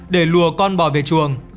để lùa con bò về chuồng